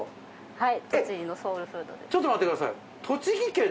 はい。